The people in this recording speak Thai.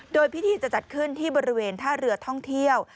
โดยพิธีจะจัดขึ้นที่บริเวณท่าเรือท่องเที่ยว